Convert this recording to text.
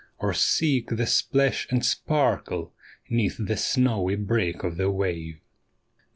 Or seek the splash and sparkle 'neath the snowy break of the wave.